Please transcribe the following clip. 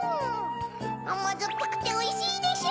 あまずっぱくておいしいでしゅ！